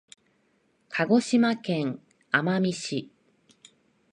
鹿児島県奄美市